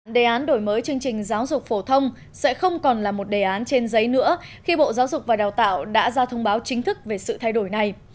đề án đổi mới chương trình giáo dục phổ thông sẽ không còn là một đề án trên giấy nữa khi bộ giáo dục và đào tạo đã ra thông báo chính thức về sự thay đổi này